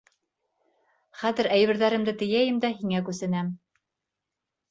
Хәҙер әйберҙәремде тейәйем дә һиңә күсенәм.